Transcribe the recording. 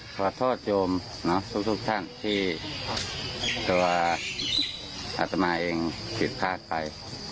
ขอโทษโยมทุกท่านที่ตัวอัตมาเองผิดพลาดไป